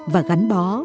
và gắn bó